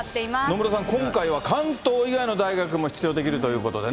野村さん、今回は関東以外の大学も出場できるということでね。